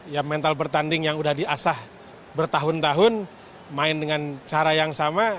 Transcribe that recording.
ya mental bertanding yang udah diasah bertahun tahun main dengan cara yang sama